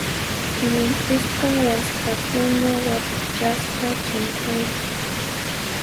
Llimp'isqa waskhakuna watachasqa chinkanku.